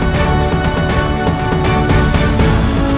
kau tadi baru duduk sebentar